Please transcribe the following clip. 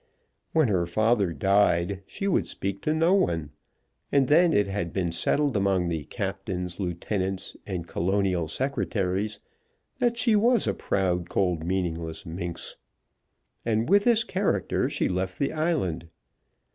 When her father died she would speak to no one; and then it had been settled among the captains, lieutenants, and Colonial secretaries that she was a proud, cold, meaningless minx. And with this character she left the island.